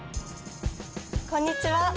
こんにちは。